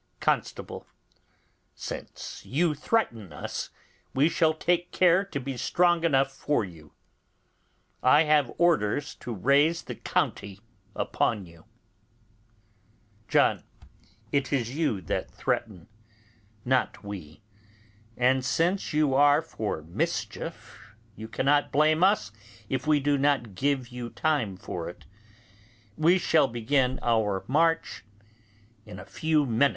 Constable. Since you threaten us, we shall take care to be strong enough for you. I have orders to raise the county upon you. John. It is you that threaten, not we. And since you are for mischief, you cannot blame us if we do not give you time for it; we shall begin our march in a few minutes.